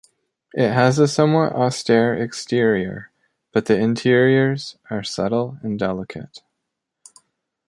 It has a somewhat austere exterior, but the interiors are subtle and delicate.